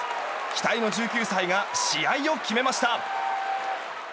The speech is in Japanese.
期待の１９歳が試合を決めました。